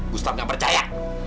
gustaf gak percaya